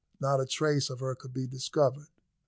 Not a trace of her could be discovered.